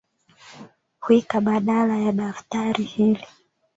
Wika badala ya daftari hili